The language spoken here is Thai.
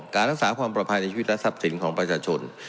รักษาความปลอดภัยในชีวิตและทรัพย์สินของประชาชน